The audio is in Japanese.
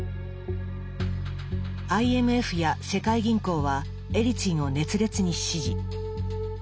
ＩＭＦや世界銀行はエリツィンを熱烈に支持。